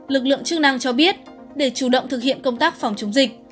lực lượng chức năng cho biết để chủ động thực hiện công tác phòng chống dịch